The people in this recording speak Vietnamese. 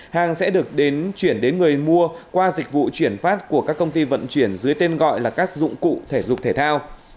hàng sẽ được đến chuyển đến người mua qua dịch vụ chuyển phát của các công ty vận chuyển dưới tên gọi là các dụng cụ thể dục thể thao